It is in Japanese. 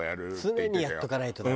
常にやっておかないとだ。